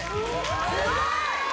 すごい！